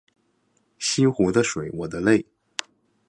西湖的水我的泪